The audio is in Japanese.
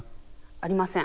ありません。